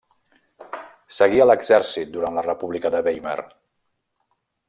Seguí a l'Exèrcit durant la República de Weimar.